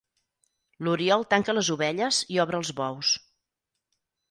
L'oriol tanca les ovelles i obre els bous.